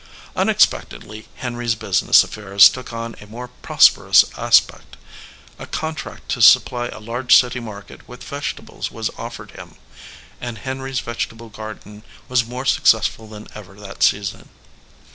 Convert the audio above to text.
Unexpectedly Henry s business affairs took on a more prosperous aspect. A contract to supply a large city market with vegetables was offered him, and Henry s vegetable garden was more successful than ever that season.